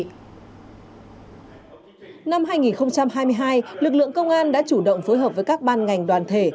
năm hai nghìn hai mươi hai lực lượng công an đã chủ động phối hợp với các ban ngành đoàn thể